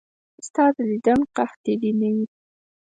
ستا د دیدن قحطي دې نه وي.